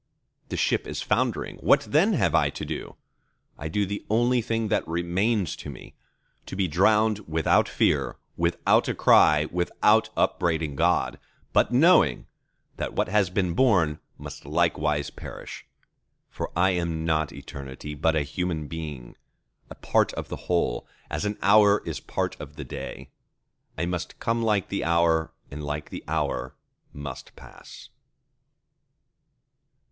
The ship is foundering. What then have I to do? I do the only thing that remains to me—to be drowned without fear, without a cry, without upbraiding God, but knowing that what has been born must likewise perish. For I am not Eternity, but a human being—a part of the whole, as an hour is part of the day. I must come like the hour, and like the hour must pass!